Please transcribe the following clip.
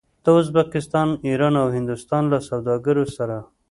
د ازبکستان، ایران او هندوستان له سوداګرو سره